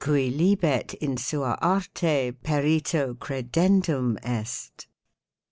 Cwutlibet in sud arte perito credendum est.